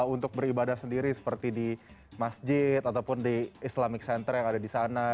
untuk beribadah sendiri seperti di masjid ataupun di islamic center yang ada di sana